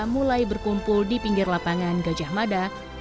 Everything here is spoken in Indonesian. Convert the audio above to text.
mulai berkumpul di pinggir lapangan gajah mada